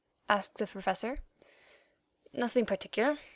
asked the Professor. "Nothing particular.